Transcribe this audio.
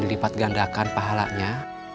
dilipat gandakan pahalanya